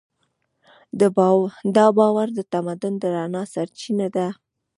دا باور د تمدن د رڼا سرچینه ده.